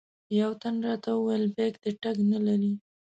یوه تن راته وویل بیک دې ټګ نه لري.